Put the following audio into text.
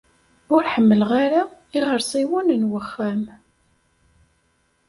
Ur ḥemmleɣ ara iɣersiwen n wexxam.